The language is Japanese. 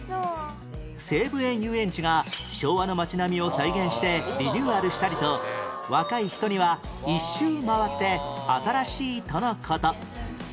西武園ゆうえんちが昭和の街並みを再現してリニューアルしたりと若い人には一周回って新しいとの事